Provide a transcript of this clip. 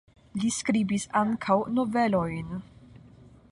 Li skribis ankaŭ novelojn.